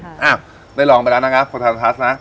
อ้าได้ลองไปแล้วนะครับคนทางทัศน์นะ